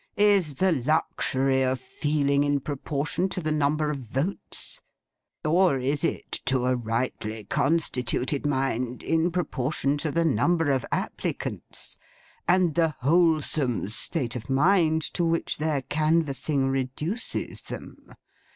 Is the luxury of feeling in proportion to the number of votes; or is it, to a rightly constituted mind, in proportion to the number of applicants, and the wholesome state of mind to which their canvassing reduces them?